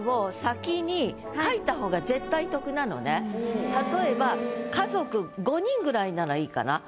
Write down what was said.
で例えば家族５人ぐらいならいいかな？